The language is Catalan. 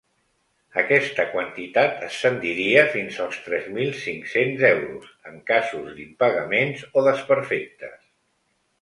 Aquesta quantitat ascendiria fins als tres mil cinc-cents euros en casos d’impagaments o desperfectes.